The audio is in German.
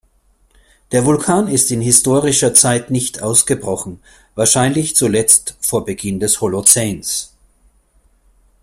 Der Vulkan ist in historischer Zeit nicht ausgebrochen, wahrscheinlich zuletzt vor Beginn des Holozäns.